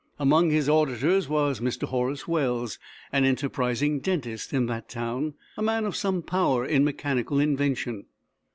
Among his auditors was Mr. Horace Wells, an enterprising dentist in that town, a man of some power in mechanical invention.